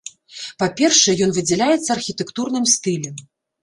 Па-першае, ён выдзяляецца архітэктурным стылем.